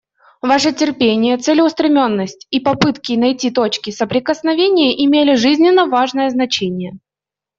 Ваши терпение, целеустремленность и попытки найти точки соприкосновения имели жизненно важное значение.